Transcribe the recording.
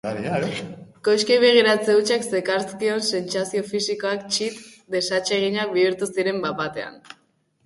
Koxkei begiratze hutsak zekarzkion sentsazio fisikoak txit desatseginak bihurtu ziren bapatean.